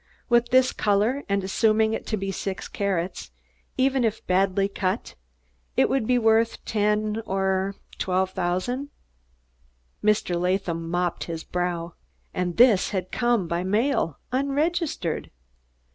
With this color, and assuming it to be six carats, even if badly cut, it would be worth ten or twelve thousand." Mr. Latham mopped his brow. And this had come by mail, unregistered!